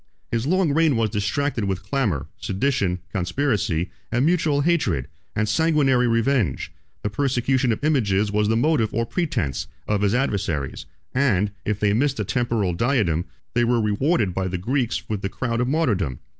His long reign was distracted with clamor, sedition, conspiracy, and mutual hatred, and sanguinary revenge; the persecution of images was the motive or pretence, of his adversaries; and, if they missed a temporal diadem, they were rewarded by the Greeks with the crown of martyrdom.